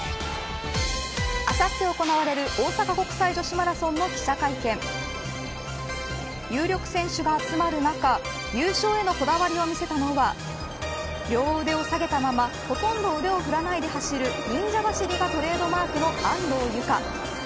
あさって行われる大阪国際女子マラソンの記者会見有力選手が集まる中優勝へのこだわりを見せたのは両腕を下げたままほとんど腕を振らないで走る忍者走りがトレードマークの安藤友香。